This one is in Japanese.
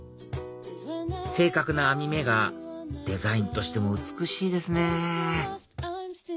正確な編み目がデザインとしても美しいですね